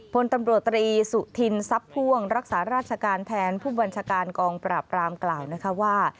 พลตำรวจตรีสุธินทรัพย์พ่วงรักษาราชการแทนผู้บัญชาการกองปราบรามกล่าวนะคะว่า